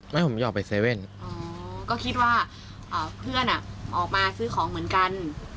ให้ผมยอมไป๗๑๑ก็คิดว่าเพื่อนออกมาซื้อของเหมือนกัน